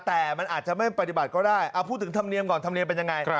แต่มันอาจจะไม่ปฏิบัติก็ได้เอาพูดถึงธรรมเนียมก่อนธรรมเนียมเป็นยังไง